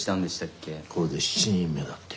これで７人目だって。